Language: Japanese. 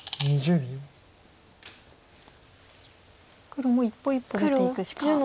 黒も一歩一歩出ていくしかない。